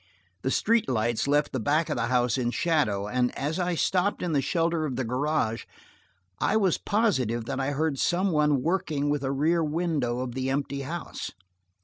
The street lights left the back of the house in shadow, and as I stopped in the shelter of the garage, I was positive that I heard some one working with a rear window of the empty house.